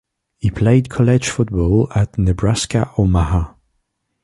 He played college football at Nebraska-Omaha.